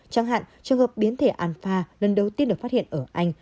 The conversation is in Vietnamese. chẳng hạn trường hợp biến thể alfa lần đầu tiên được phát hiện ở anh